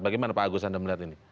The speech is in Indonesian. bagaimana pak agus anda melihat ini